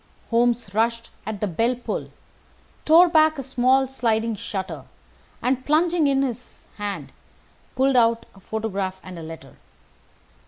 Holmes rushed at the bell pull, tore back a small sliding shutter, and, plunging in his hand, pulled out a photograph and a letter.